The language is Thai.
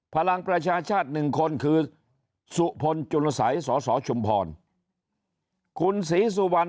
พลังประชาชาติ๑คนคือสุพลจุลไสสสชุมพรคุณศรีสุวัน